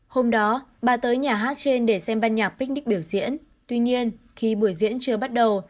hôm đó bà tới nhà hát trên để xem ban nhạc pignik biểu diễn tuy nhiên khi buổi diễn chưa bắt đầu